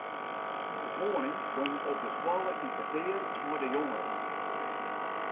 De koaning gong op de skoalle yn petear mei de jongeren.